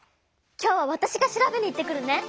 今日はわたしが調べに行ってくるね！